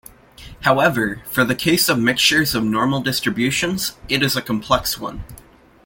However, for the case of mixtures of normal distributions, it is a complex one.